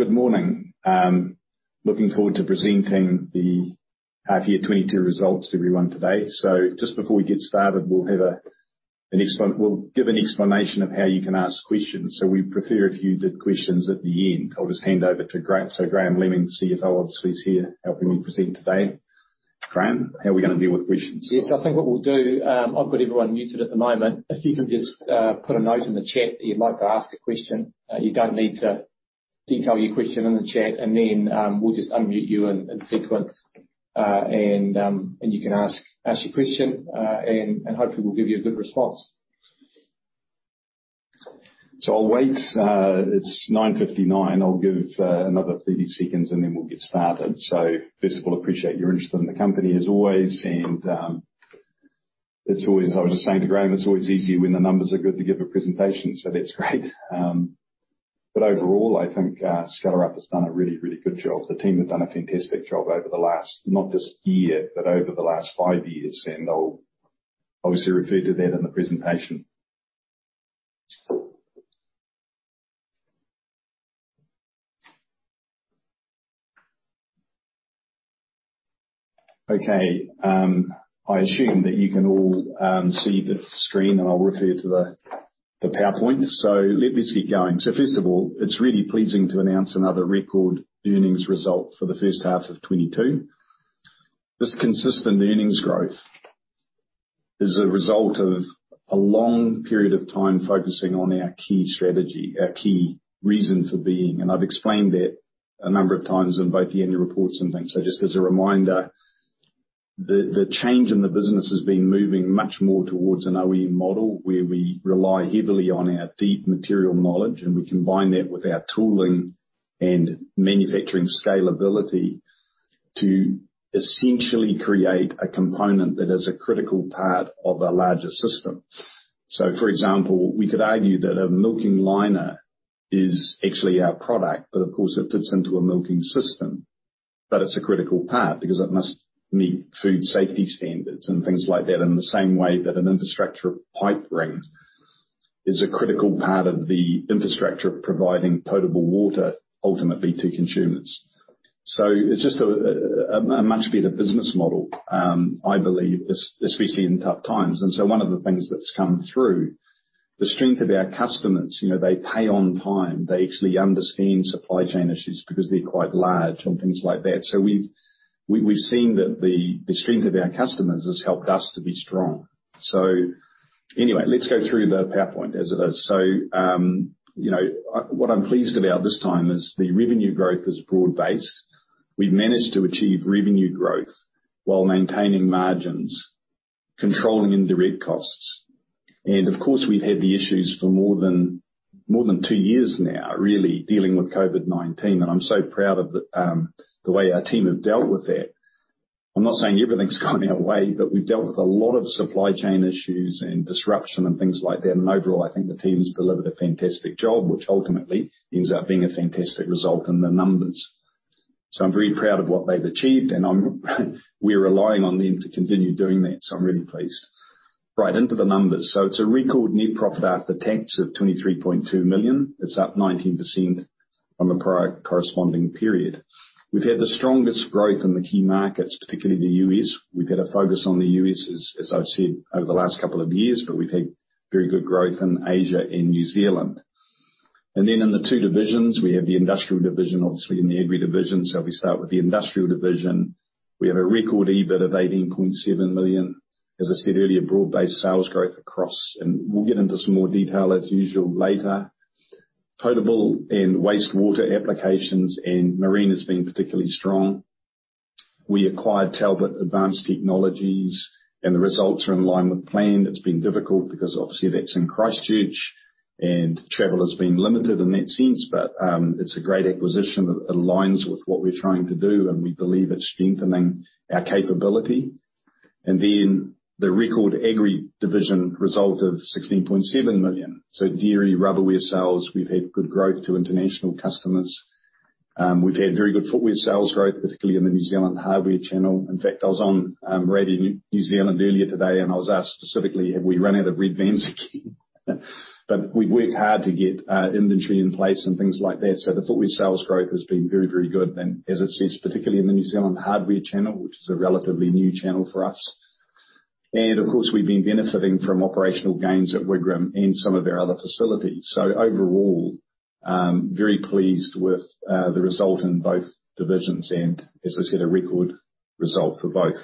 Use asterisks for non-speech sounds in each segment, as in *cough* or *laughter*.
Good morning. Looking forward to presenting the half year 2022 results to everyone today. Just before we get started, we'll give an explanation of how you can ask questions. We'd prefer if you did questions at the end. I'll just hand over to Graham. Graham Leaming, CFO, obviously, is here helping me present today. Graham, how are we gonna deal with questions? Yes. I think what we'll do, I've got everyone muted at the moment. If you can just put a note in the chat that you'd like to ask a question. You don't need to detail your question in the chat. We'll just unmute you in sequence. You can ask your question. Hopefully we'll give you a good response. I'll wait. It's 9:59. I'll give another 30 seconds, and then we'll get started. I appreciate your interest in the company as always. I was just saying to Graham, it's always easier when the numbers are good to give a presentation. That's great. But overall, I think Skellerup has done a really, really good job. The team have done a fantastic job over the last, not just year, but over the last five years. I'll obviously refer to that in the presentation. Okay. I assume that you can all see the screen, and I'll refer to the PowerPoint. Let me get going. It's really pleasing to announce another record earnings result for the first half of 2022. This consistent earnings growth is a result of a long period of time focusing on our key strategy, our key reason for being. I've explained that a number of times in both the annual reports and things. Just as a reminder, the change in the business has been moving much more towards an OEM model, where we rely heavily on our deep material knowledge. We combine that with our tooling and manufacturing scalability to essentially create a component that is a critical part of a larger system. For example, we could argue that a milking liner is actually our product, but of course, it fits into a milking system. It's a critical part because it must meet food safety standards and things like that. In the same way that an infrastructure pipe seal is a critical part of the infrastructure providing potable water ultimately to consumers. It's just a much better business model, I believe, especially in tough times. One of the things that's come through is the strength of our customers. You know, they pay on time. They actually understand supply chain issues because they're quite large and things like that. We've seen that the strength of our customers has helped us to be strong. Anyway, let's go through the PowerPoint as it is. You know, what I'm pleased about this time is the revenue growth is broad-based. We've managed to achieve revenue growth while maintaining margins, controlling indirect costs. Of course, we've had the issues for more than two years now, really dealing with COVID-19. I'm so proud of the way our team have dealt with that. I'm not saying everything's gone our way but we've dealt with a lot of supply chain issues and disruption and things like that. Overall, I think the team's delivered a fantastic job, which ultimately ends up being a fantastic result in the numbers. I'm very proud of what they've achieved, and we're relying on them to continue doing that. I'm really pleased. Right, into the numbers. It's a record net profit after tax of 23.2 million. It's up 19% from the prior corresponding period. We've had the strongest growth in the key markets, particularly the U.S. We've had a focus on the U.S. as I've said, over the last couple of years, but we've had very good growth in Asia and New Zealand. In the two divisions, we have the Industrial division, obviously, and the Agri division. If we start with the Industrial division. We have a record EBIT of 18.7 million. As I said earlier, broad-based sales growth across potable and wastewater applications and marine has been particularly strong. We'll get into some more detail as usual later. We acquired Talbot Advanced Technologies and the results are in line with plan. It's been difficult because obviously that's in Christchurch and travel has been limited in that sense. It's a great acquisition that aligns with what we're trying to do, and we believe it's strengthening our capability. The record Agri division result of 16.7 million. Dairy, Rubberware sales, we've had good growth to international customers. We've had very good footwear sales growth, particularly in the New Zealand hardware channel. In fact, I was on Radio New Zealand earlier today, and I was asked specifically, have we run out of Red Bands again? We've worked hard to get inventory in place and things like that. The footwear sales growth has been very, very good. As it says, particularly in the New Zealand hardware channel, which is a relatively new channel for us. Of course, we've been benefiting from operational gains at Wigram and some of our other facilities. Overall, very pleased with the result in both divisions and as I said, a record result for both.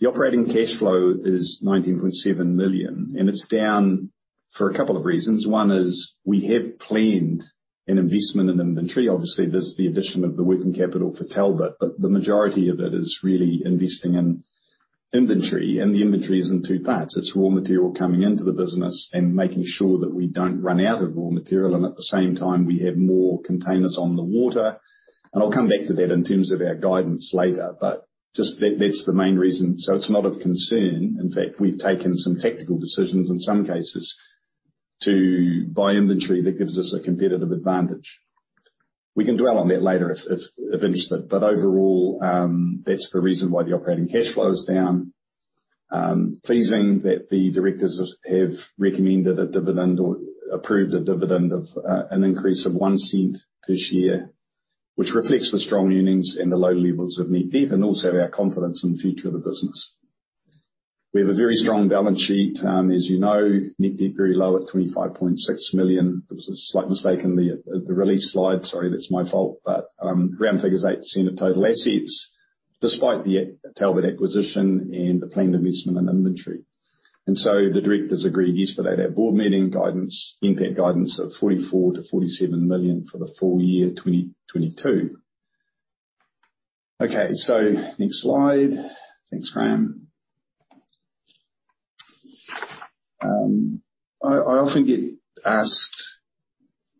The operating cash flow is 19.7 million, and it's down for a couple of reasons. One is we have planned an investment in inventory. Obviously, there's the addition of the working capital for Talbot, but the majority of it is really investing in inventory. The inventory is in two parts. It's raw material coming into the business and making sure that we don't run out of raw material. At the same time, we have more containers on the water. I'll come back to that in terms of our guidance later. Just that's the main reason. It's not of concern. In fact, we've taken some tactical decisions in some cases to buy inventory that gives us a competitive advantage. We can dwell on that later if of interest. Overall, that's the reason why the operating cash flow is down. Pleasing that the directors have recommended a dividend or approved a dividend of an increase of one cent per share, which reflects the strong earnings and the low levels of net debt, and also our confidence in the future of the business. We have a very strong balance sheet. As you know, net debt very low at 25.6 million. There was a slight mistake in the release slide. Sorry, that's my fault. Around figures 8% of total assets, despite the Talbot acquisition and the planned investment in inventory. The directors agreed yesterday at our board meeting, guidance, NPAT guidance of 44 million-47 million for the full year 2022. Okay. Next slide. Thanks, Graham. I often get asked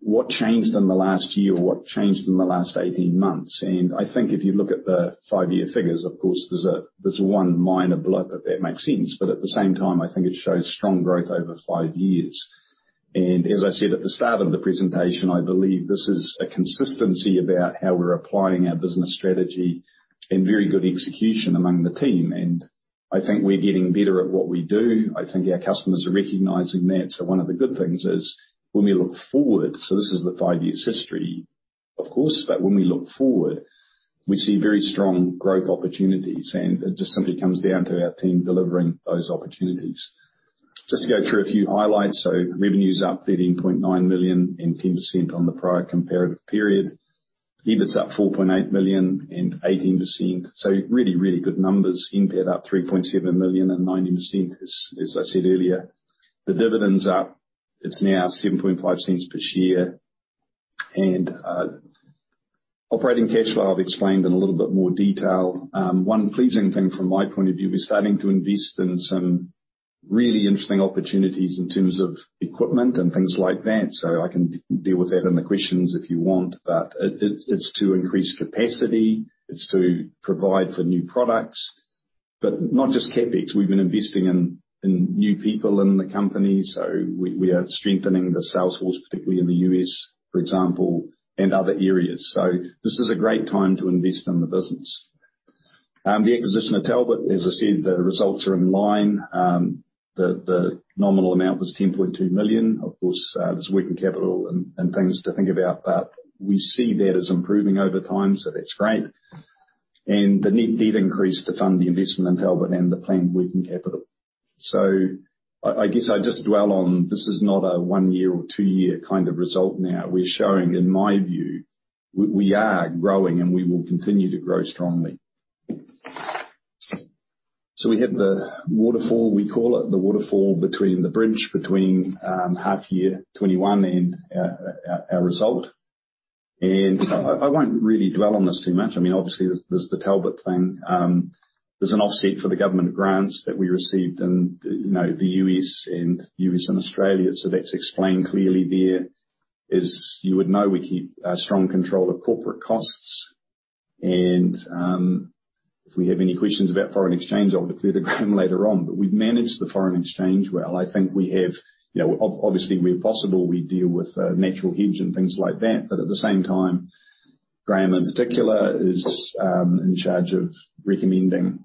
what changed in the last year or what changed in the last 18 months. I think if you look at the five-year figures, of course, there's one minor blip if that makes sense. At the same time, I think it shows strong growth over 5 years. As I said at the start of the presentation, I believe this is a consistency about how we're applying our business strategy and very good execution among the team. I think we're getting better at what we do. I think our customers are recognizing that. One of the good things is when we look forward, this is the 5 years history, of course, but when we look forward, we see very strong growth opportunities. It just simply comes down to our team delivering those opportunities. Just to go through a few highlights. Revenue's up 13.9 million and 10% on the prior comparative period. EBIT's up 4.8 million and 18%. Really, really good numbers. NPAT up 3.7 million and 90% as I said earlier. The dividend's up. It's now 0.075 per share. Operating cash flow, I've explained in a little bit more detail. One pleasing thing from my point of view, we're starting to invest in some really interesting opportunities in terms of equipment and things like that. I can deal with that in the questions if you want. But it it's to increase capacity. It's to provide for new products. But not just CapEx. We've been investing in new people in the company. We are strengthening the sales force, particularly in the U.S., for example, and other areas. This is a great time to invest in the business. The acquisition of Talbot, as I said, the results are in line. The nominal amount was 10.2 million. Of course, there's working capital and things to think about, but we see that as improving over time, so that's great. The net debt increased to fund the investment in Talbot and the planned working capital. I guess I just dwell on this is not a one-year or two-year kind of result now. We're showing, in my view, we are growing, and we will continue to grow strongly. We have the waterfall, we call it, the bridge between half year 2021 and our result. I won't really dwell on this too much. I mean, obviously, there's the Talbot thing. There's an offset for the government grants that we received in, you know, the U.S. and Australia. That's explained clearly there. As you would know, we keep a strong control of corporate costs. If we have any questions about foreign exchange, I'll defer to Graham later on. We've managed the foreign exchange well. I think we have, you know, obviously, where possible, we deal with a natural hedge and things like that. At the same time, Graham in particular is in charge of recommending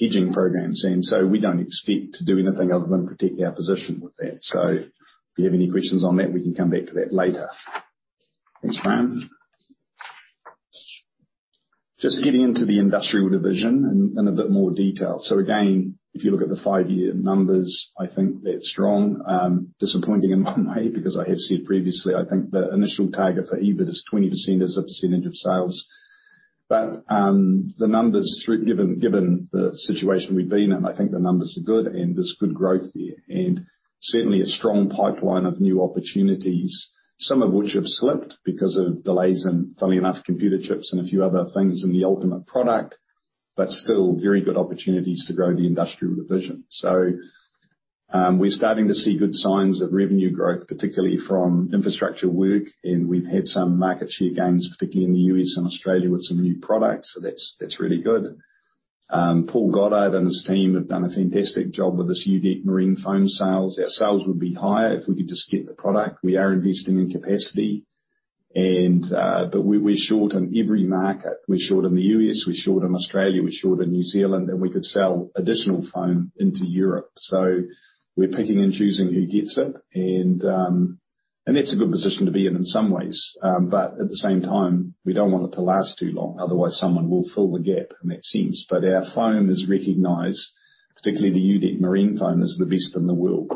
hedging programs. We don't expect to do anything other than protect our position with that. If you have any questions on that, we can come back to that later. Thanks, Graham. Just getting into the industrial division in a bit more detail. Again, if you look at the five-year numbers, I think they're strong. Disappointing in one way because I have said previously, I think the initial target for EBIT is 20% as a percentage of sales. The numbers, given the situation we've been in, I think the numbers are good and there's good growth there and certainly a strong pipeline of new opportunities. Some of which have slipped because of delays in, funnily enough, computer chips and a few other things in the ultimate product. Still very good opportunities to grow the industrial division. We're starting to see good signs of revenue growth, particularly from infrastructure work. We've had some market share gains, particularly in the U.S. and Australia with some new products. That's really good. Paul Goddard and his team have done a fantastic job with this U-DEK marine foam sales. Our sales would be higher if we could just get the product. We are investing in capacity, but we're short in every market. We're short in the U.S., we're short in Australia, we're short in New Zealand, and we could sell additional foam into Europe. So we're picking and choosing who gets it. That's a good position to be in in some ways. But at the same time, we don't want it to last too long, otherwise someone will fill the gap, and that's the end. But our foam is recognized, particularly the U-DEK marine foam is the best in the world.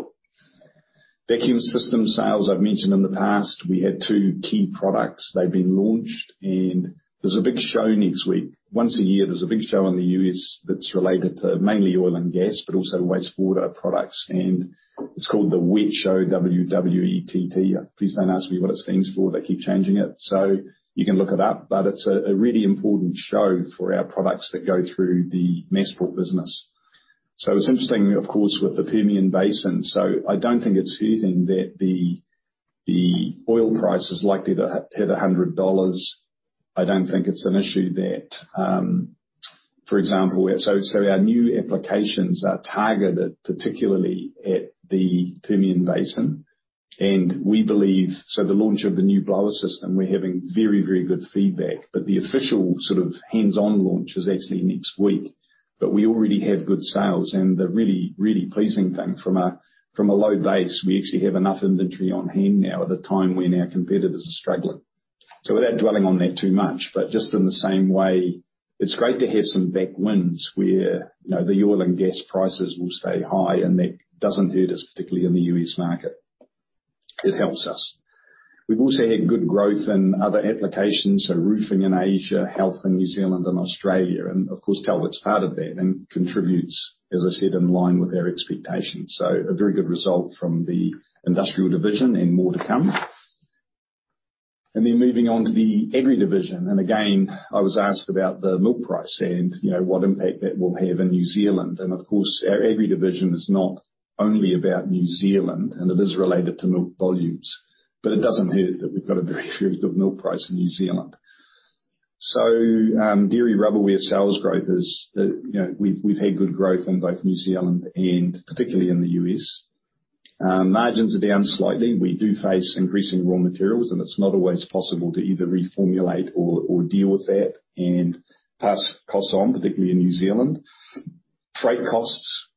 Vacuum system sales, I've mentioned in the past, we had two key products. They've been launched and there's a big show next week. Once a year, there's a big show in the U.S. that's related to mainly oil and gas, but also wastewater products. It's called the WWETT Show, W-W-E-T-T. Please don't ask me what it stands for. They keep changing it. You can look it up. It's a really important show for our products that go through the Masport business. It's interesting, of course, with the Permian Basin. I don't think it's heeding that the oil price is likely to hit $100. I don't think it's an issue that, for example, our new applications are targeted particularly at the Permian Basin. We believe the launch of the new blower system. We're having very, very good feedback, but the official sort of hands-on launch is actually next week. We already have good sales, and the really pleasing thing from a low base, we actually have enough inventory on hand now at a time when our competitors are struggling. Without dwelling on that too much, but just in the same way, it's great to have some tailwinds where, you know, the oil and gas prices will stay high, and that doesn't hurt us, particularly in the U.S. market. It helps us. We've also had good growth in other applications, so roofing in Asia, health in New Zealand and Australia, and of course, Talbot's part of that and contributes, as I said, in line with our expectations. A very good result from the industrial division and more to come. Then moving on to the Agri Division. Again, I was asked about the milk price and, you know, what impact that will have in New Zealand. Of course, our Agri division is not only about New Zealand, and it is related to milk volumes. It doesn't hurt that we've got a very, very good milk price in New Zealand. Dairy rubberware sales growth is, you know, we've had good growth in both New Zealand and particularly in the U.S. Margins are down slightly. We do face increasing raw materials, and it's not always possible to either reformulate or deal with that and pass costs on, particularly in New Zealand. Freight costs,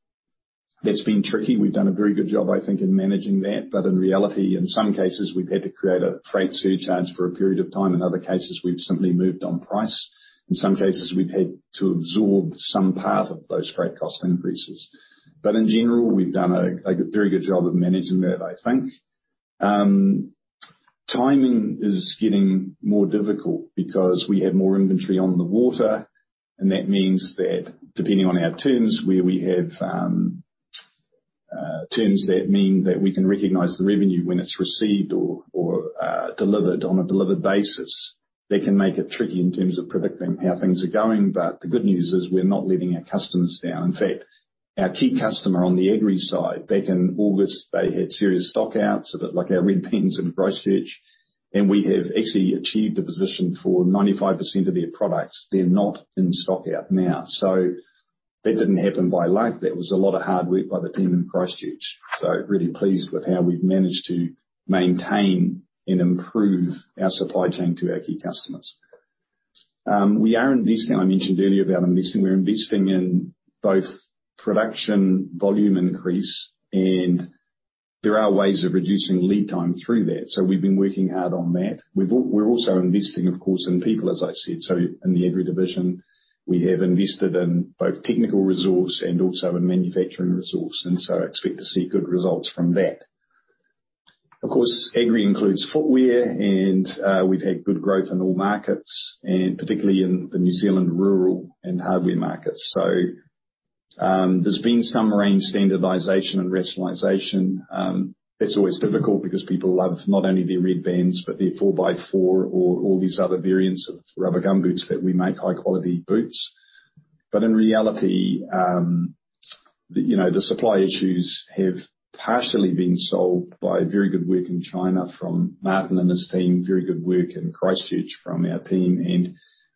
that's been tricky. We've done a very good job, I think, in managing that. In reality, in some cases, we've had to create a freight surcharge for a period of time. In other cases, we've simply moved on price. In some cases, we've had to absorb some part of those freight cost increases. In general, we've done a very good job of managing that, I think. Timing is getting more difficult because we have more inventory on the water, and that means that depending on our terms, where we have terms that mean that we can recognize the revenue when it's received or delivered on a delivered basis. That can make it tricky in terms of predicting how things are going. The good news is we're not letting our customers down. In fact, our key customer on the agri side, back in August, they had serious stockouts, a bit like our Red Bands in Christchurch. We have actually achieved a position for 95% of their products. They're not in stockout now. That didn't happen by luck. That was a lot of hard work by the team in Christchurch. Really pleased with how we've managed to maintain and improve our supply chain to our key customers. We are investing. I mentioned earlier about investing. We're investing in both production volume increase, and there are ways of reducing lead time through that. We've been working hard on that. We're also investing, of course, in people, as I said. In the Agri division, we have invested in both technical resource and also in manufacturing resource, and so expect to see good results from that. Of course, Agri includes footwear and we've had good growth in all markets, and particularly in the New Zealand rural and hardware markets. There's been some range standardization and rationalization. That's always difficult because people love not only their Red Bands, but their four-by-four or all these other variants of rubber gum boots that we make, high-quality boots. In reality, you know, the supply issues have partially been solved by very good work in China from Martin and his team, very good work in Christchurch from our team, and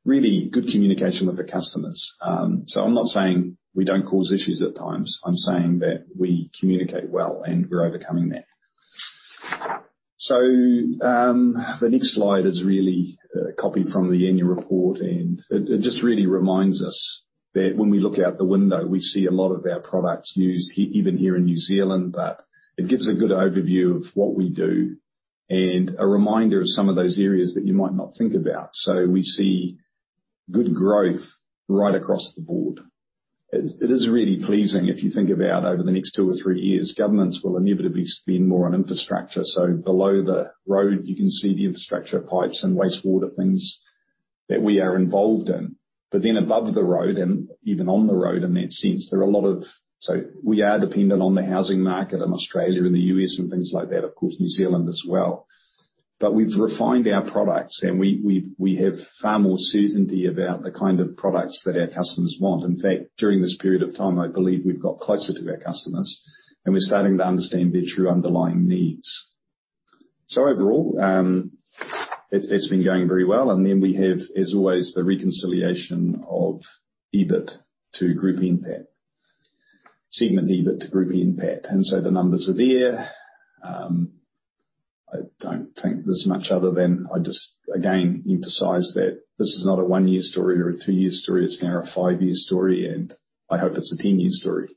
really good communication with the customers. I'm not saying we don't cause issues at times. I'm saying that we communicate well, and we're overcoming that. The next slide is really, copied from the annual report, and it just really reminds us that when we look out the window, we see a lot of our products used even here in New Zealand. It gives a good overview of what we do and a reminder of some of those areas that you might not think about. We see good growth right across the board. It is really pleasing if you think about over the next two or three years, governments will inevitably spend more on infrastructure. Below the road, you can see the infrastructure pipes and wastewater things that we are involved in. Then above the road, and even on the road in that sense, we are dependent on the housing market in Australia and the U.S. and things like that, of course, New Zealand as well. We've refined our products, and we have far more certainty about the kind of products that our customers want. In fact, during this period of time, I believe we've got closer to our customers, and we're starting to understand their true underlying needs. Overall, it's been going very well. Then we have, as always, the reconciliation of EBIT to group NPAT. Segment EBIT to group NPAT. The numbers are there. I don't think there's much other than I just, again, emphasize that this is not a one-year story or a two-year story. It's now a five-year story, and I hope it's a ten-year story.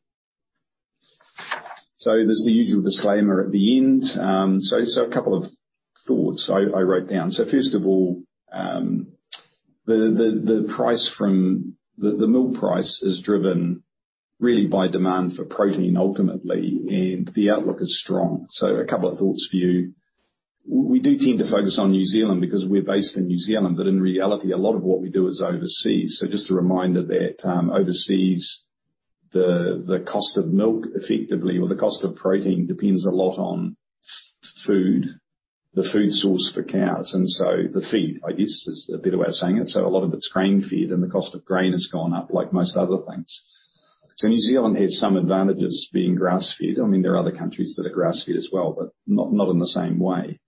There's the usual disclaimer at the end. A couple of thoughts I wrote down. First of all, the milk price is driven really by demand for protein ultimately, and the outlook is strong. A couple of thoughts for you. We do tend to focus on New Zealand because we're based in New Zealand, but in reality, a lot of what we do is overseas. Just a reminder that overseas, the cost of milk effectively or the cost of protein depends a lot on food, the food source for cows, and so the feed, I guess, is a better way of saying it. A lot of it's grain feed and the cost of grain has gone up like most other things. New Zealand has some advantages being grass-fed. I mean, there are other countries that are grass-fed as well, but not in the same way.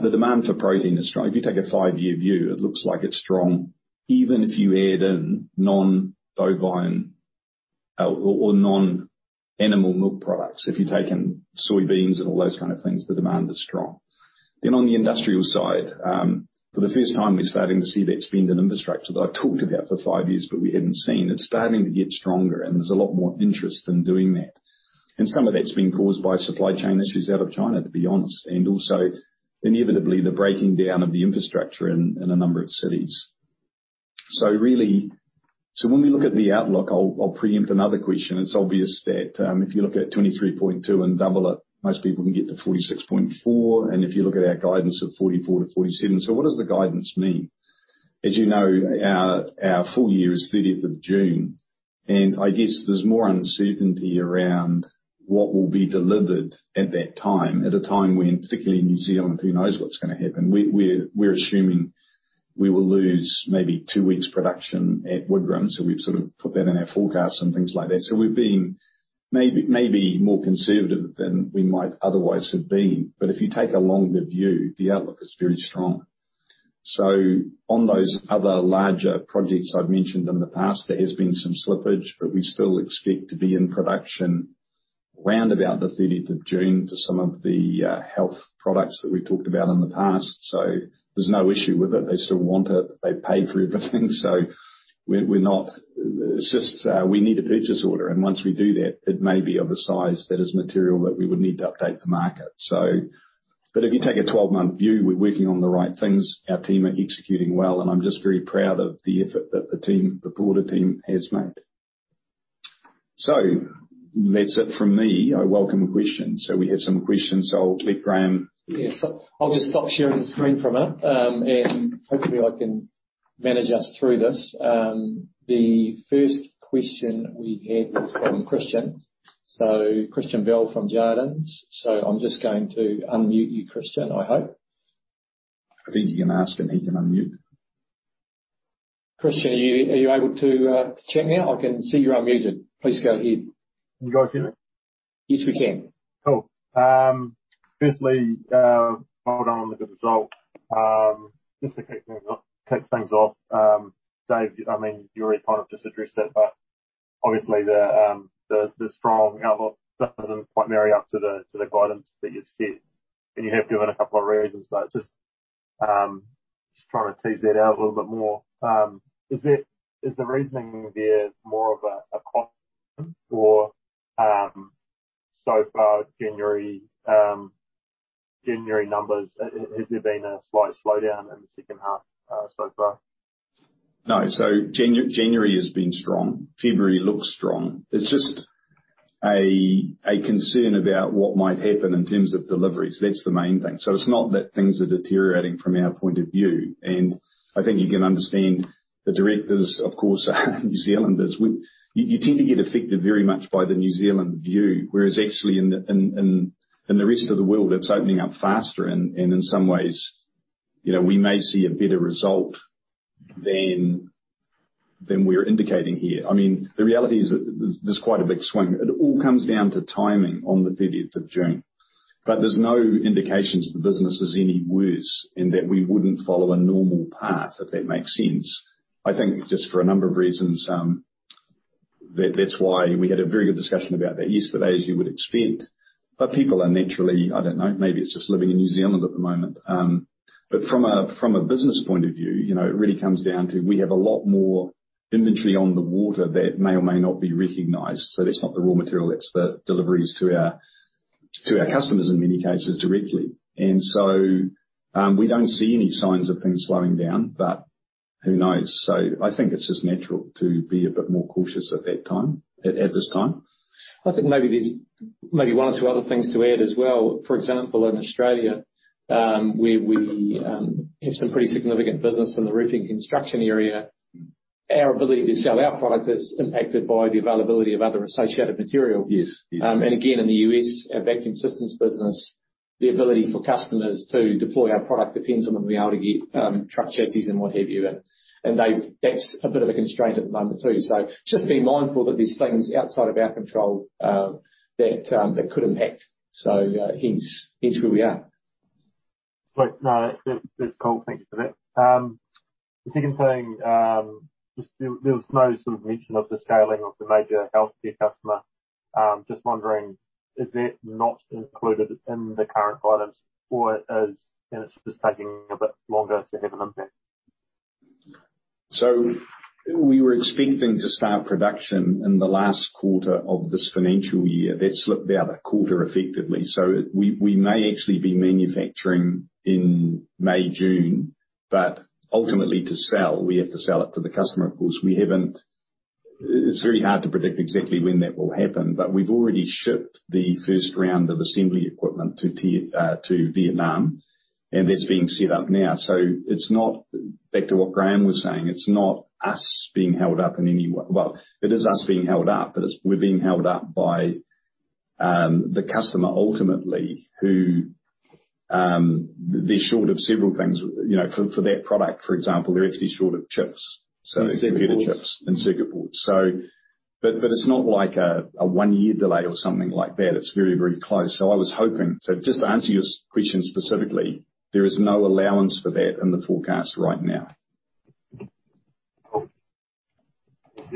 The demand for protein is strong. If you take a five-year view, it looks like it's strong even if you add in non-bovine or non-animal milk products. If you take in soybeans and all those kind of things, the demand is strong. On the industrial side, for the first time, we're starting to see that spend on infrastructure that I've talked about for five years, but we hadn't seen. It's starting to get stronger, and there's a lot more interest in doing that. Some of that's been caused by supply chain issues out of China, to be honest, and also inevitably, the breaking down of the infrastructure in a number of cities. When we look at the outlook, I'll preempt another question. It's obvious that, if you look at 23.2 and double it, most people can get to 46.4. If you look at our guidance of 44-47. What does the guidance mean? As you know, our full year is thirtieth of June, and I guess there's more uncertainty around what will be delivered at that time. At a time when, particularly in New Zealand, who knows what's gonna happen? We're assuming we will lose maybe two weeks production at Wigram. We've sort of put that in our forecast and things like that. We're being maybe more conservative than we might otherwise have been. If you take a longer view, the outlook is very strong. On those other larger projects I've mentioned in the past, there has been some slippage, but we still expect to be in production round about the thirtieth of June for some of the health products that we talked about in the past. There's no issue with it. They still want it. They've paid for everything. We're not... It's just, we need a purchase order, and once we do that, it may be of a size that is material that we would need to update the market. If you take a twelve-month view, we're working on the right things. Our team are executing well, and I'm just very proud of the effort that the team, the broader team has made. That's it from me. I welcome questions. We have some questions, so I'll let Graham. Yes. I'll just stop sharing the screen for a minute, and hopefully, I can manage us through this. The first question we have is from Christian. Christian Bell from Jarden. I'm just going to unmute you, Christian, I hope. I think you can ask him. He can unmute. Christian, are you able to chat now? I can see you're unmuted. Please go ahead. Can you guys hear me? Yes, we can. Cool. Firstly, well done on the good result. Just to kick things off, Dave, I mean, you already kind of just addressed it, but obviously the strong outlook doesn't quite marry up to the guidance that you've set. You have given a couple of reasons, but just trying to tease that out a little bit more. Is the reasoning there more of a *audio distortion* so far, January numbers? Has there been a slight slowdown in the second half, so far? No. January has been strong. February looks strong. There's just a concern about what might happen in terms of deliveries. That's the main thing. It's not that things are deteriorating from our point of view. I think you can understand the directors, of course, are New Zealanders. You tend to get affected very much by the New Zealand view. Whereas actually in the rest of the world, it's opening up faster. And in some ways, you know, we may see a better result than we're indicating here. I mean, the reality is that there's quite a big swing. It all comes down to timing on the thirtieth of June. There's no indications the business is any worse in that we wouldn't follow a normal path, if that makes sense. I think just for a number of reasons, that's why we had a very good discussion about that yesterday, as you would expect. People are naturally. I don't know, maybe it's just living in New Zealand at the moment. From a business point of view, you know, it really comes down to, we have a lot more inventory on the water that may or may not be recognized. That's not the raw material, that's the deliveries to our customers in many cases directly. We don't see any signs of things slowing down, but who knows? I think it's just natural to be a bit more cautious at this time. I think maybe there's one or two other things to add as well. For example, in Australia, where we have some pretty significant business in the roofing construction area. Our ability to sell our product is impacted by the availability of other associated material. Yes. Yes. Again, in the U.S., our vacuum systems business, the ability for customers to deploy our product depends on them being able to get truck chassis and what have you. That's a bit of a constraint at the moment too. Just be mindful that there's things outside of our control that could impact, hence where we are. Great. No, that's cool. Thank you for that. The second thing, just, there was no sort of mention of the scaling of the major healthcare customer. Just wondering, is that not included in the current guidance or it is, and it's just taking a bit longer to have an impact? We were expecting to start production in the last quarter of this financial year. That slipped out a quarter effectively. We may actually be manufacturing in May, June, but ultimately to sell, we have to sell it to the customer. Of course, we haven't. It's very hard to predict exactly when that will happen. We've already shipped the first round of assembly equipment to Vietnam, and that's being set up now. It's not back to what Graham was saying, it's not us being held up in any way. It is us being held up, but it's, we're being held up by the customer ultimately who, they're short of several things. For that product, for example, they're actually short of chips. Circuit boards. Computer chips and circuit boards. It's not like a one-year delay or something like that. It's very, very close. I was hoping. Just to answer your question specifically, there is no allowance for that in the forecast right now. Cool. Thank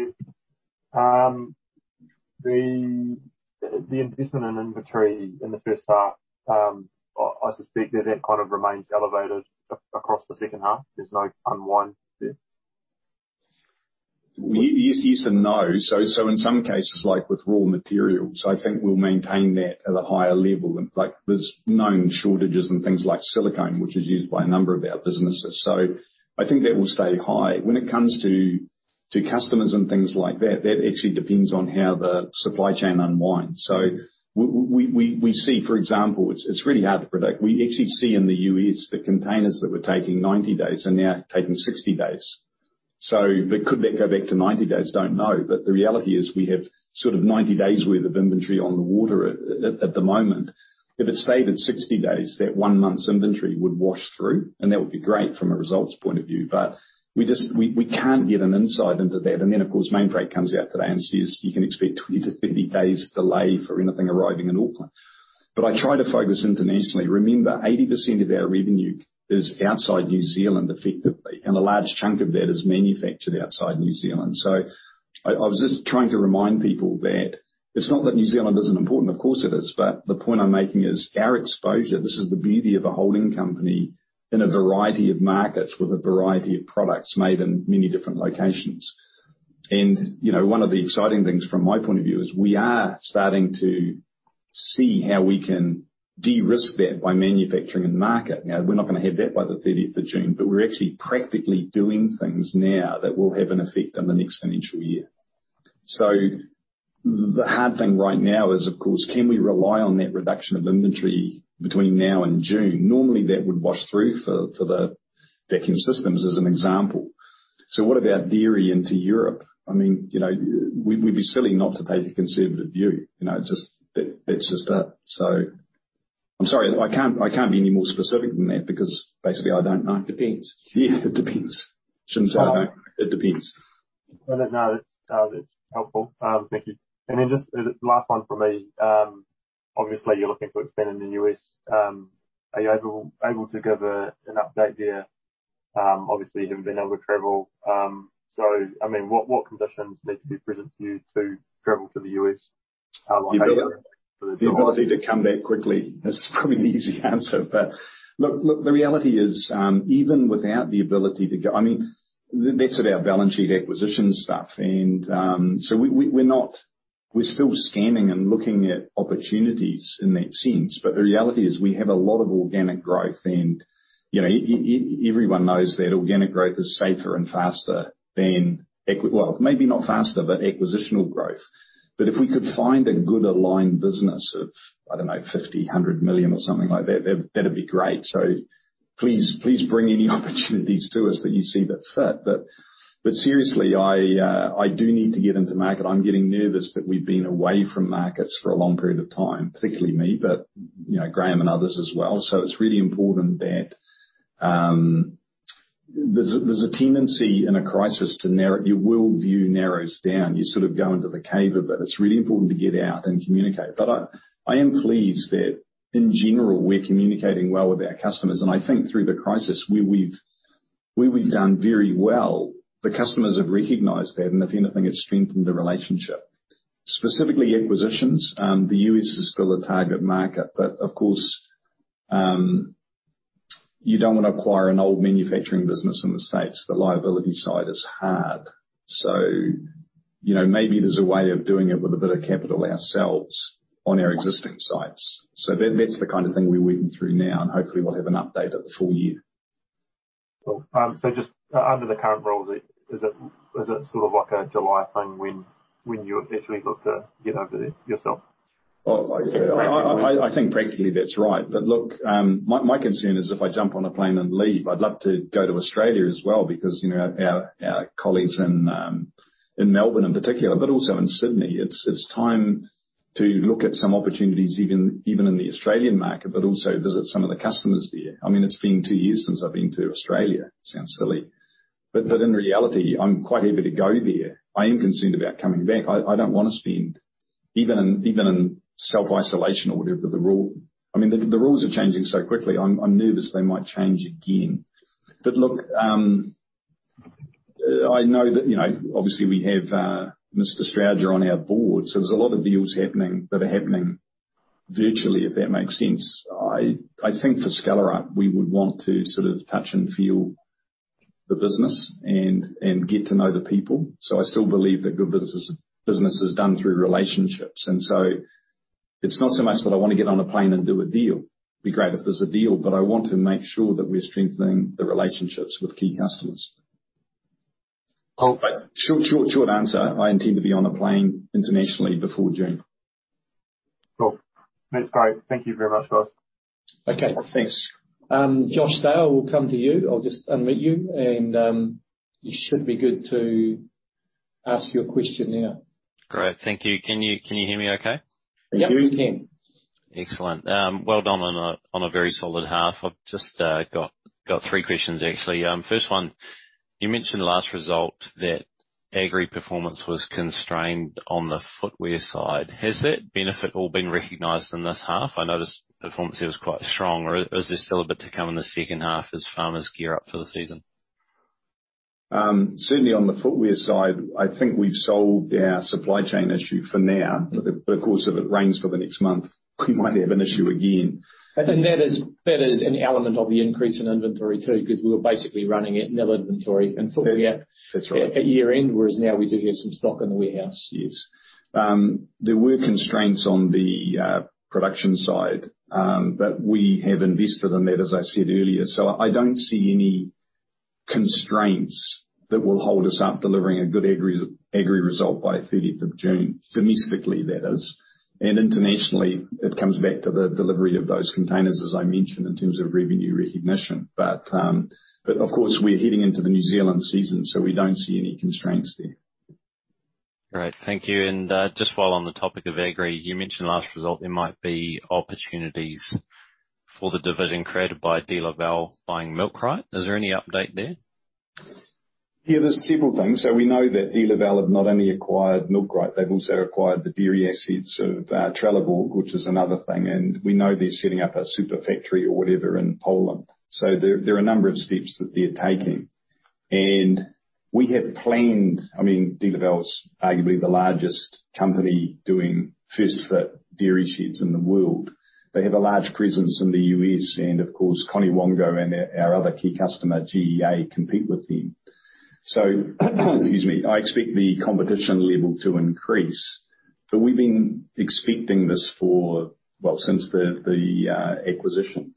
you. The investment in inventory in the first half, I suspect that kind of remains elevated across the second half. There's no unwind there? Yes, yes, and no. In some cases, like with raw materials, I think we'll maintain that at a higher level. Like, there's known shortages in things like silicone, which is used by a number of our businesses. I think that will stay high. When it comes to customers and things like that actually depends on how the supply chain unwinds. We see, for example, it's really hard to predict. We actually see in the U.S. that containers that were taking 90 days are now taking 60 days. But could that go back to 90 days? Don't know. The reality is we have sort of 90 days worth of inventory on the water at the moment. If it stayed at 60 days, that one month's inventory would wash through, and that would be great from a results point of view. We can't get an insight into that. Of course, Mainfreight comes out today and says you can expect 20-30 days delay for anything arriving in Auckland. I try to focus internationally. Remember, 80% of our revenue is outside New Zealand effectively, and a large chunk of that is manufactured outside New Zealand. I was just trying to remind people that it's not that New Zealand isn't important. Of course it is. The point I'm making is our exposure. This is the beauty of a holding company in a variety of markets with a variety of products made in many different locations. You know, one of the exciting things from my point of view is we are starting to see how we can de-risk that by manufacturing in market. Now, we're not gonna have that by the 30 of June, but we're actually practically doing things now that will have an effect on the next financial year. The hard thing right now is, of course, can we rely on that reduction of inventory between now and June? Normally, that would wash through for the DEKS systems as an example. What about there into Europe? I mean, you know, we'd be silly not to take a conservative view. You know, just that's just that. I'm sorry, I can't be any more specific than that because basically I don't know. It depends. Yeah, it depends. Shouldn't say I know. It depends. Well, no, that's helpful. Thank you. Just last one from me. Obviously you're looking to expand in the U.S. Are you able to give an update there? Obviously you haven't been able to travel. I mean, what conditions need to be present for you to travel to the U.S.? Like The ability to come back quickly is probably the easy answer. Look, the reality is, even without the ability to go, I mean, that's our balance sheet acquisition stuff. We're still scanning and looking at opportunities in that sense. The reality is we have a lot of organic growth and, you know, everyone knows that organic growth is safer and faster than, well, maybe not faster, but acquisitional growth. If we could find a good aligned business of, I don't know, 50 million, 100 million or something like that'd be great. Please bring any opportunities to us that you see that fit. Seriously, I do need to get into market. I'm getting nervous that we've been away from markets for a long period of time, particularly me, but, you know, Graham and others as well. It's really important that there's a tendency in a crisis to narrow. Your world view narrows down. You sort of go into the cave a bit. It's really important to get out and communicate. I am pleased that in general, we're communicating well with our customers. I think through the crisis, we've done very well. The customers have recognized that, and if anything, it's strengthened the relationship. Specifically acquisitions, the U.S. is still a target market. Of course, you don't wanna acquire an old manufacturing business in the States. The liability side is hard. You know, maybe there's a way of doing it with a bit of capital ourselves on our existing sites. That's the kind of thing we're working through now, and hopefully we'll have an update at the full year. Cool. Just under the current rules, is it sort of like a July thing when you've actually got to get over there yourself? Well, I think practically that's right. Look, my concern is if I jump on a plane and leave, I'd love to go to Australia as well because, you know, our colleagues in Melbourne in particular, but also in Sydney, it's time to look at some opportunities even in the Australian market, but also visit some of the customers there. I mean, it's been two years since I've been to Australia. Sounds silly. In reality, I'm quite happy to go there. I am concerned about coming back. I don't wanna spend even in self-isolation or whatever the rule. I mean, the rules are changing so quickly. I'm nervous they might change again. Look, I know that obviously we have John Strowger on our board, so there's a lot of deals happening virtually, if that makes sense. I think for Skellerup, we would want to sort of touch and feel the business and get to know the people. I still believe that good business is done through relationships. It's not so much that I wanna get on a plane and do a deal. It'd be great if there's a deal, but I want to make sure that we're strengthening the relationships with key customers. Cool. Short answer, I intend to be on a plane internationally before June. Cool. That's great. Thank you very much, Ross. Okay. Thanks. Joshua Dale, we'll come to you. I'll just unmute you and, you should be good to ask your question now. Great. Thank you. Can you hear me okay? Yep. We can. Excellent. Well done on a very solid half. I've just got three questions, actually. First one, you mentioned last result that Agri performance was constrained on the footwear side. Has that benefit all been recognized in this half? I noticed performance here was quite strong, or is there still a bit to come in the second half as farmers gear up for the season? Certainly on the footwear side, I think we've solved our supply chain issue for now. Of course, if it rains for the next month, we might have an issue again. That is an element of the increase in inventory too. 'Cause we were basically running at nil inventory in footwear. That's right. At year-end. Whereas now we do have some stock in the warehouse. Yes. There were constraints on the production side, but we have invested in that, as I said earlier. I don't see any constraints that will hold us up delivering a good Agri result by thirteenth of June. Domestically, that is. Internationally, it comes back to the delivery of those containers, as I mentioned, in terms of revenue recognition. Of course we're heading into the New Zealand season, so we don't see any constraints there. Great. Thank you. Just while on the topic of Agri, you mentioned last result there might be opportunities for the division created by DeLaval buying Milkrite. Is there any update there? Yeah, there's several things. We know that DeLaval have not only acquired Milkrite, they've also acquired the dairy assets of Trelleborg, which is another thing. We know they're setting up a super factory or whatever in Poland. There are a number of steps that they're taking. I mean, DeLaval's arguably the largest company doing first-fit dairy sheds in the world. They have a large presence in the U.S. and of course, Conewango and our other key customer, GEA, compete with them. Excuse me. I expect the competition level to increase, but we've been expecting this for well, since the acquisition.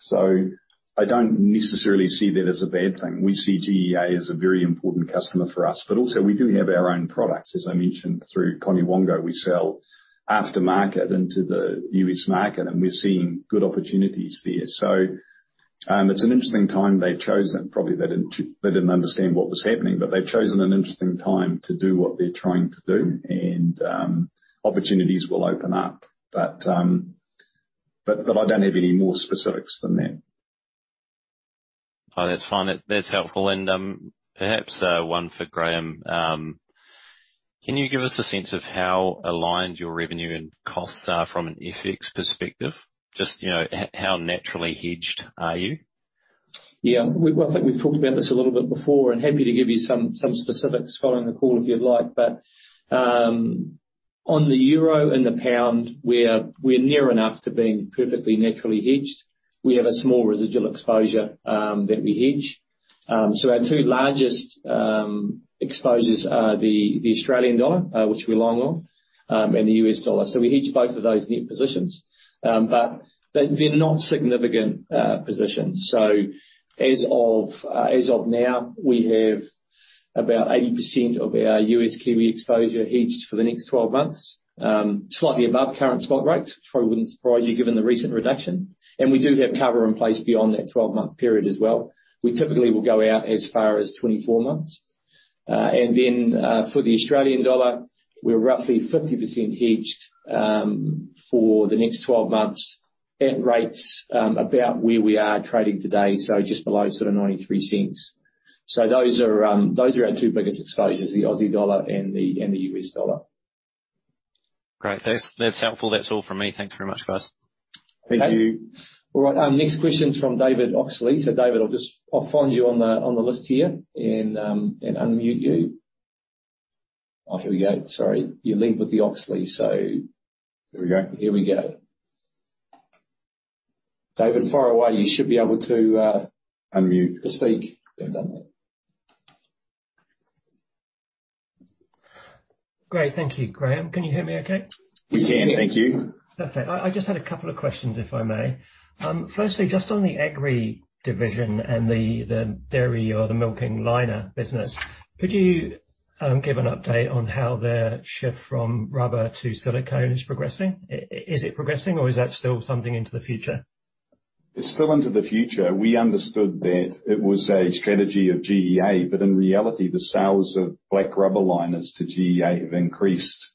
I don't necessarily see that as a bad thing. We see GEA as a very important customer for us. Also we do have our own products. As I mentioned, through Conewango, we sell aftermarket into the U.S. market, and we're seeing good opportunities there. It's an interesting time. Probably they didn't understand what was happening, but they've chosen an interesting time to do what they're trying to do. Opportunities will open up. I don't have any more specifics than that. Oh, that's fine. That's helpful. Perhaps one for Graham. Can you give us a sense of how aligned your revenue and costs are from an FX perspective? Just, you know, how naturally hedged are you? Well, I think we've talked about this a little bit before, and I'm happy to give you some specifics following the call if you'd like. On the euro and the pound, we're near enough to being perfectly naturally hedged. We have a small residual exposure that we hedge. Our two largest exposures are the Australian dollar, which we're long on, and the US dollar. We hedge both of those net positions. They've been not significant positions. As of now, we have about 80% of our USD exposure hedged for the next 12 months, slightly above current spot rates, probably wouldn't surprise you given the recent reduction. We do have cover in place beyond that 12-month period as well. We typically will go out as far as 24 months. For the Australian dollar, we're roughly 50% hedged, for the next 12 months at rates about where we are trading today, so just below sort of 93 cents. Those are our two biggest exposures, the Aussie dollar and the US dollar. Great. Thanks. That's helpful. That's all from me. Thank you very much, guys. Thank you. All right, next question's from David Oxley. David, I'll find you on the list here and unmute you. Oh, here we go. Sorry. You lead with the Oxley, so- Here we go. Here we go. David, fire away. You should be able to. Unmute to speak. There's that. Great. Thank you. Graham, can you hear me okay? We can. Thank you. Perfect. I just had a couple of questions, if I may. Firstly, just on the Agri division and the dairy or the milking liner business, could you give an update on how their shift from rubber to silicone is progressing? Is it progressing or is that still something into the future? It's still into the future. We understood that it was a strategy of GEA, but in reality, the sales of black rubber liners to GEA have increased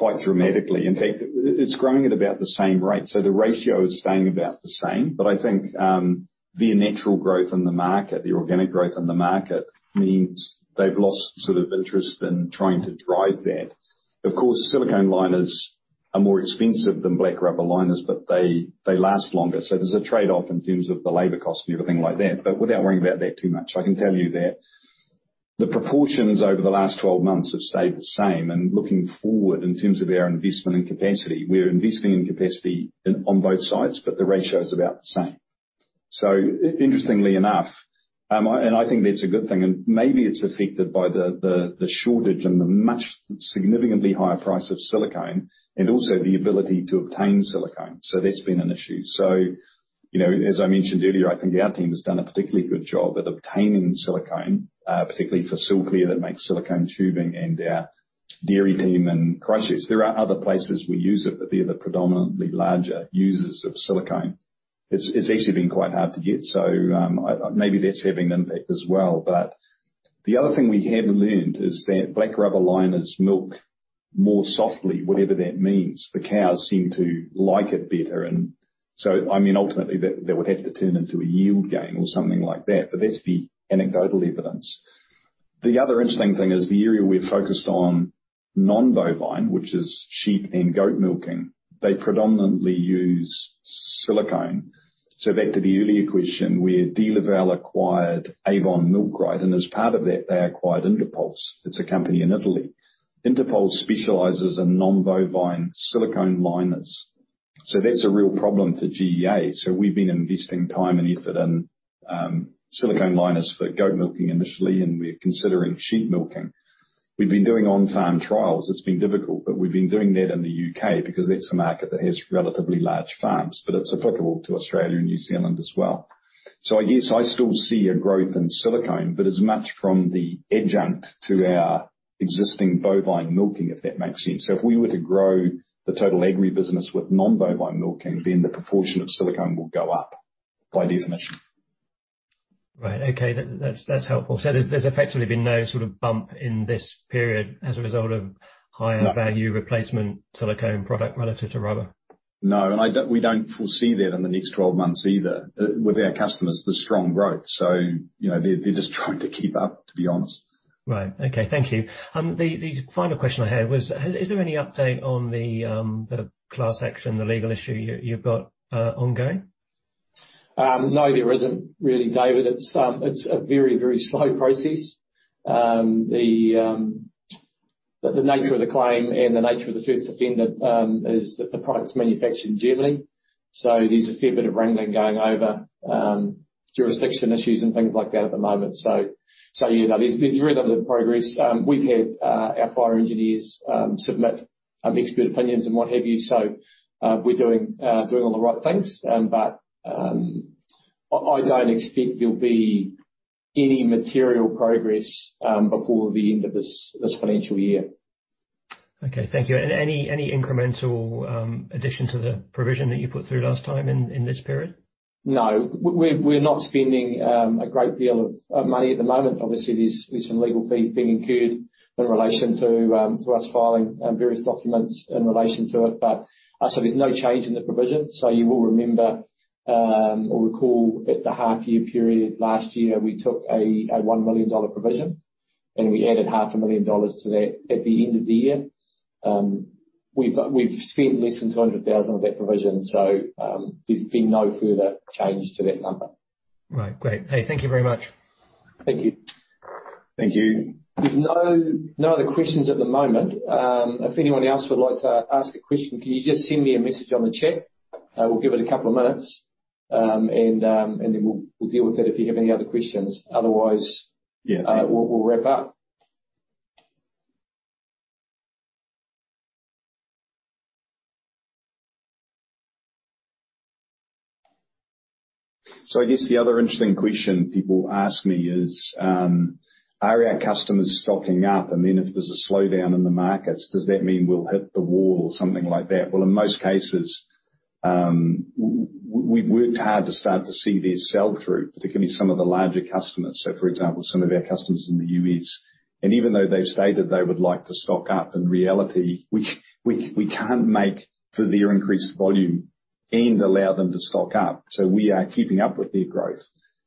quite dramatically. In fact, it's growing at about the same rate, so the ratio is staying about the same. I think the natural growth in the market, the organic growth in the market, means they've lost sort of interest in trying to drive that. Of course, silicone liners are more expensive than black rubber liners, but they last longer. There's a trade-off in terms of the labor cost and everything like that. Without worrying about that too much, I can tell you that the proportions over the last 12 months have stayed the same. Looking forward in terms of our investment and capacity, we're investing in capacity on both sides, but the ratio is about the same. Interestingly enough, and I think that's a good thing, and maybe it's affected by the shortage and the much significantly higher price of silicone, and also the ability to obtain silicone. That's been an issue. You know, as I mentioned earlier, I think our team has done a particularly good job at obtaining silicone, particularly for Silclear that makes silicone tubing and our dairy team and clusters. There are other places we use it, but they're the predominantly larger users of silicone. It's actually been quite hard to get, so maybe that's having an impact as well. The other thing we have learned is that black rubber liners milk more softly, whatever that means. The cows seem to like it better. I mean, ultimately, that would have to turn into a yield gain or something like that. That's the anecdotal evidence. The other interesting thing is the area we're focused on non-bovine, which is sheep and goat milking. They predominantly use silicone. Back to the earlier question, where DeLaval acquired Avon Milkrite, and as part of that, they acquired InterPuls. It's a company in Italy. InterPuls specializes in non-bovine silicone liners. That's a real problem for GEA. We've been investing time and effort in silicone liners for goat milking initially, and we're considering sheep milking. We've been doing on-farm trials. It's been difficult, but we've been doing that in the U.K. because that's a market that has relatively large farms, but it's applicable to Australia and New Zealand as well. I guess I still see a growth in silicone, but as much from the adjunct to our existing bovine milking, if that makes sense. If we were to grow the total agri business with non-bovine milking, then the proportion of silicone will go up by definition. Right. Okay. That's helpful. There's effectively been no sort of bump in this period as a result of higher value replacement silicone product relative to rubber. No. We don't foresee that in the next 12 months either. With our customers, there's strong growth. You know, they're just trying to keep up, to be honest. Right. Okay. Thank you. The final question I had was, is there any update on the class action, the legal issue you've got ongoing? No, there isn't really, David. It's a very, very slow process. The nature of the claim and the nature of the first defendant is that the product's manufactured in Germany. There's a fair bit of wrangling going over jurisdiction issues and things like that at the moment. You know, there's very little progress. We've had our fire engineers submit expert opinions and what have you. We're doing all the right things. I don't expect there'll be any material progress before the end of this financial year. Okay. Thank you. Any incremental addition to the provision that you put through last time in this period? No. We're not spending a great deal of money at the moment. Obviously, there's some legal fees being incurred in relation to us filing various documents in relation to it. There's no change in the provision. You will remember or recall at the half year period last year, we took a 1 million dollar provision, and we added NZD half a million to that at the end of the year. We've spent less than 200,000 of that provision, so there's been no further change to that number. Right. Great. Hey, thank you very much. Thank you. Thank you. There's no other questions at the moment. If anyone else would like to ask a question, can you just send me a message on the chat? We'll give it a couple of minutes, and then we'll deal with that if you have any other questions. Otherwise- Yeah. We'll wrap up. I guess the other interesting question people ask me is, are our customers stocking up? If there's a slowdown in the markets, does that mean we'll hit the wall or something like that? Well, in most cases, we've worked hard to start to see their sell-through, particularly some of the larger customers. For example, some of our customers in the U.S., and even though they've stated they would like to stock up, in reality, we can't make for their increased volume and allow them to stock up. We are keeping up with their growth.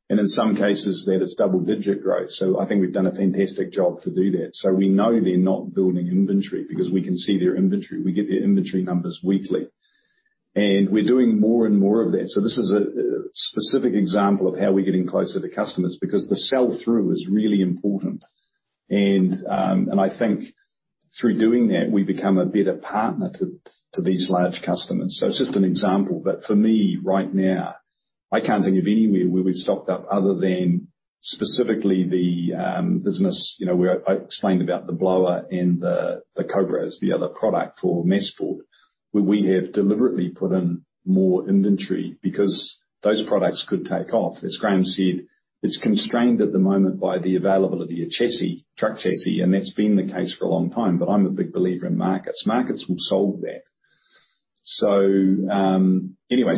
In some cases, that is double-digit growth. I think we've done a fantastic job to do that. We know they're not building inventory because we can see their inventory. We get their inventory numbers weekly. We're doing more and more of that. This is a specific example of how we're getting closer to customers because the sell-through is really important. I think through doing that, we become a better partner to these large customers. It's just an example. For me right now, I can't think of anywhere where we've stocked up other than specifically the business, you know, where I explained about the blower and the Cobra as the other product for Masport, where we have deliberately put in more inventory because those products could take off. As Graham said, it's constrained at the moment by the availability of chassis, truck chassis, and that's been the case for a long time. I'm a big believer in markets. Markets will solve that. Anyway,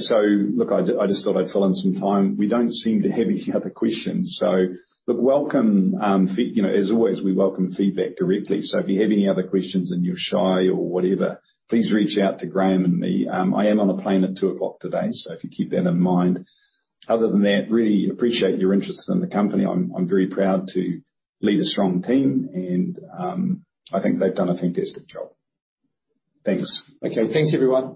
look, I just thought I'd fill in some time. We don't seem to have any other questions. Look, you know, as always, we welcome feedback directly. If you have any other questions and you're shy or whatever, please reach out to Graham and me. I am on a plane at 2:00 P.M. today, so if you keep that in mind. Other than that, I really appreciate your interest in the company. I'm very proud to lead a strong team and I think they've done a fantastic job. Thanks. Okay. Thanks, everyone.